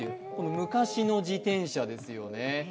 昔の自転車ですよね。